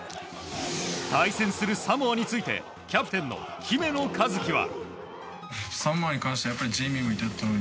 対戦するサモアについてキャプテンの姫野和樹は。